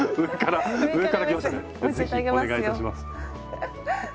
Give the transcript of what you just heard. ぜひお願いいたします。